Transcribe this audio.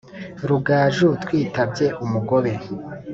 Rugaju twitabye umugobe